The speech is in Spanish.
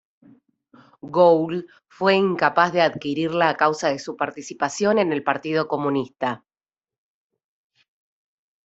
Gould fue incapaz de adquirirla a causa de su participación en el Partido Comunista.